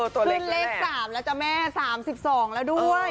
ขึ้นเลข๓แล้วจ้ะแม่๓๒แล้วด้วย